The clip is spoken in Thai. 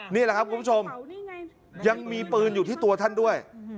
นี่แหละครับคุณผู้ชมยังมีปืนอยู่ที่ตัวท่านด้วย